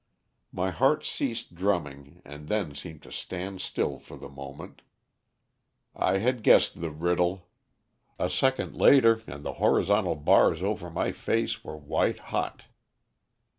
My heart ceased drumming and then seemed to stand still for the moment. I had guessed the riddle. A second later and the horizontal bars over my face were white hot.